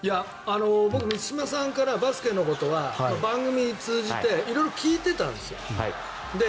僕、満島さんからバスケのことは番組を通じて色々聞いてたんですよ。